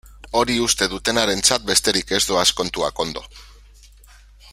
Hori uste dutenarentzat besterik ez doaz kontuak ondo.